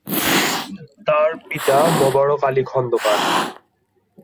তার পিতা মোবারক আলী খন্দকার।